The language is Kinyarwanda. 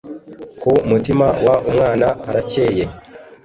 ku mutima w umwana haracyeye